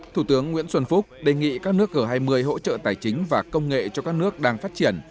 thủ tướng nguyễn xuân phúc đề nghị các nước g hai mươi hỗ trợ tài chính và công nghệ cho các nước đang phát triển